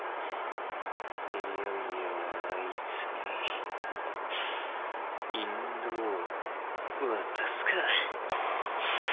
いよいよあいつに引導を渡すか。